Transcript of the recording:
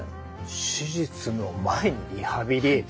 手術の前にリハビリ。